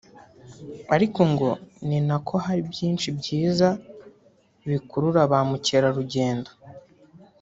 ariko ngo ninako hari byinshi byiza bikurura ba Mukerarugendo